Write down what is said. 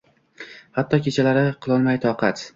Hatto kechalari qilolmay toqat